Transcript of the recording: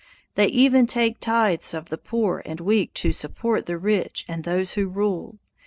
They even take tithes of the poor and weak to support the rich and those who rule.